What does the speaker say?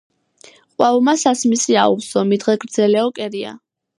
ყვავმა სასმისი აუვსო, მიდღეგრძელეო კერია.